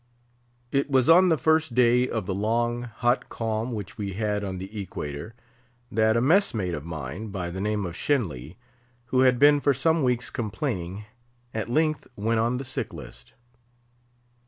It was on the first day of the long, hot calm which we had on the Equator, that a mess mate of mine, by the name of Shenly, who had been for some weeks complaining, at length went on the sick list.